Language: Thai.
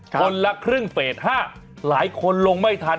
คนละครึ่งเฟส๕หลายคนลงไม่ทัน